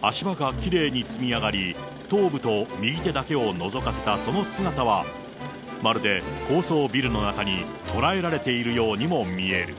足場がきれいに積み上がり、頭部と右手だけをのぞかせたその姿は、まるで高層ビルの中に捕らえられているようにも見える。